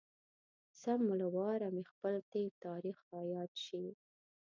سم له واره مې خپل تېر تاريخ را یاد شي.